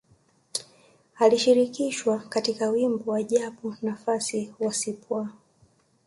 Alishirikishwa katika wimbo wa Japo Nafasi wa Cpwaa